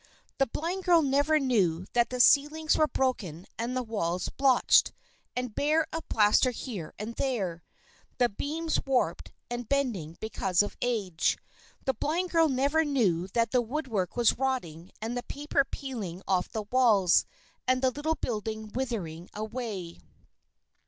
The blind girl never knew that the ceilings were broken and the walls blotched, and bare of plaster here and there, the beams warped and bending because of age. The blind girl never knew that the woodwork was rotting and the paper peeling off the walls, and the little building withering away.